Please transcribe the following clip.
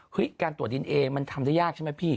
การตรวจดีเอมันทำได้ยากใช่ไหมพี่